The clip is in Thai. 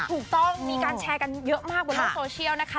ถูกต้องมีการแชร์กันเยอะมากบนโลกโซเชียลนะคะ